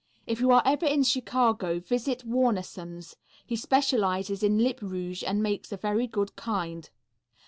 If you are ever in Chicago, visit Warnesson's. He specializes in lip rouge and makes a very good kind.